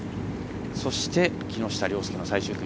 そして、木下稜介の最終組。